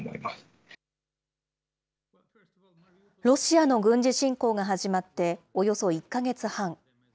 ロシアの軍事侵攻が始まっておよそ１か月半。